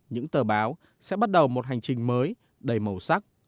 những tờ báo sẽ bắt đầu một hành trình mới đầy màu sắc